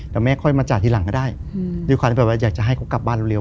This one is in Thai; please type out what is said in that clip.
แต่แม่ค่อยมาจ่ายทีหลังก็ได้ด้วยความที่แบบว่าอยากจะให้เขากลับบ้านเร็ว